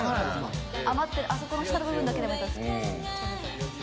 余ってるあそこの下の部分だけでもいいから食べたい。